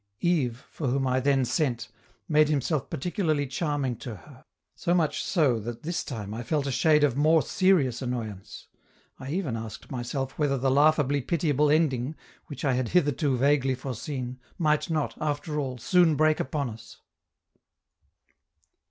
Yves, for whom I then sent, made himself particularly charming to her, so much so that this time I felt a shade of more serious annoyance; I even asked myself whether the laughably pitiable ending, which I had hitherto vaguely foreseen, might not, after all, soon break upon us.